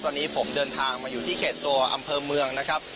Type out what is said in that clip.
ตอนนี้ผมเดินทางมาอยู่ที่เขตตัวอำเภอเมืองนะครับ